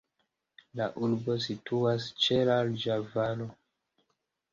La urbo situas ĉe larĝa valo.